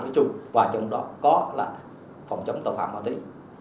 với trung và trong đó có là phòng chống tội phạm ma túy